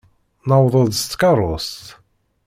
Newweḍ-d s tkeṛṛust.